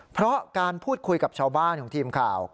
เพราะการพูดคุยกับชาวบ้านของทีมข่าว